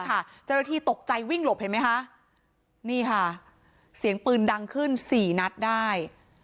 เจ้าหน้าที่ตกใจวิ่งหลบเห็นไหมคะนี่ค่ะเสียงปืนดังขึ้น๔นัดได้